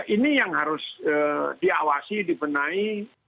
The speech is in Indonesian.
ini yang harus diawasi dibenahi